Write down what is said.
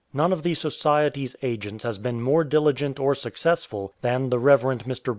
None of the Society's agents has been more diligent or successful than the Rev. Mr.